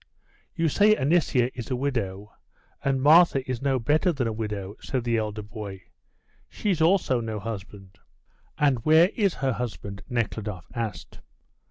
"You say Anisia is a widow, and Martha is no better than a widow," said the elder boy; "she's also no husband." "And where is her husband?" Nekhludoff asked.